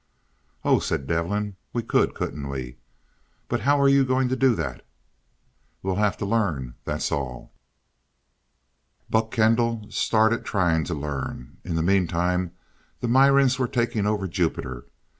"Oh," said Devin. "We could, couldn't we? But how are you going to do that?" "We'll have to learn, that's all." Buck Kendall started trying to learn. In the meantime, the Mirans were taking over Jupiter.